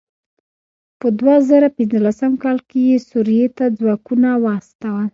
په دوه زره پنځلسم کال کې یې سوريې ته ځواکونه واستول.